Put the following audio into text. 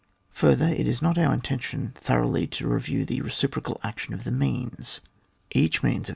Further, it is not our in« tention thoroughly to review the recip rocal action of the means ; each means of B ON WAR, [book VII.